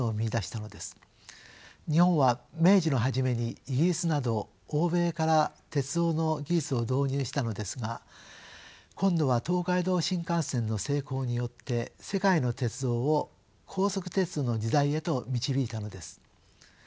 日本は明治の初めにイギリスなど欧米から鉄道の技術を導入したのですが今度は東海道新幹線の成功によって世界の鉄道を高速鉄道の時代へと導いたのです。